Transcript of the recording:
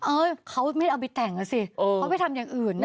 เขาไม่เอาไปแต่งอ่ะสิเขาไปทำอย่างอื่นนะ